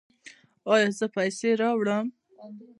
ایا زه پیسې راوړم؟